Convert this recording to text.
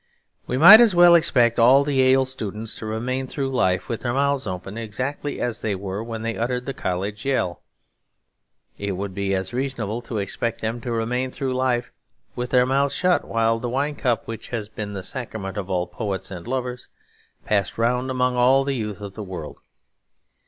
We might as well expect all the Yale students to remain through life with their mouths open, exactly as they were when they uttered the college yell. It would be as reasonable as to expect them to remain through life with their mouths shut, while the wine cup which has been the sacrament of all poets and lovers passed round among all the youth of the world.